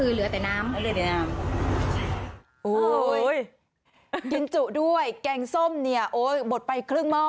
เหลือแต่น้ำอุ๊ยเกินจุด้วยแกงส้มเนี่ยโอ้ยบดไปครึ่งหม้อ